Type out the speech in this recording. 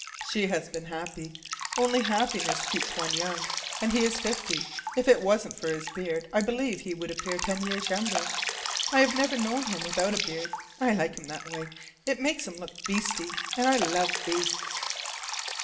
She has been happy. Only happiness keeps one young. And he is fifty. If it wasn't for his beard, I believe he would appear ten years younger. I have never known him without a beard; I like him that way. It makes him look 'beasty' and I love beasts."